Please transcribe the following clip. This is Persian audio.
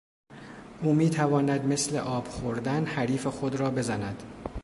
او میتواند مثل آب خوردن حریف خود را بزند.